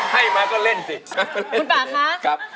ให้มาก็เล่นสิ